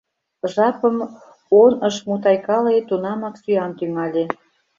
Жапым он ыш мутайкале Тунамак сӱан тӱҥале.